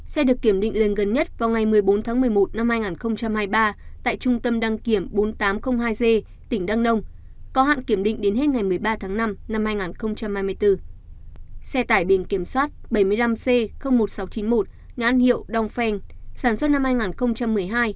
xe được kiểm định gần nhất vào ngày hai mươi một tháng một mươi năm hai nghìn hai mươi ba tại trung tâm đăng kiểm ba nghìn tám trăm linh một g tỉnh hà tĩnh có hạn đăng kiểm đến hết ngày hai mươi tháng bốn năm hai nghìn hai mươi bốn